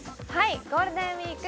ゴールデンウイーク